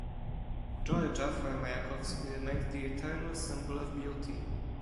Georgia for Mayakovsky remained the eternal symbol of beauty.